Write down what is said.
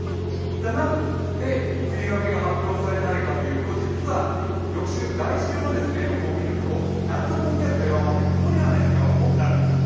何で梅雨明けが発表されないかというと、実は翌週の予報を見ると夏の高気圧が弱まって曇りや雨の日が多くなるんですよ。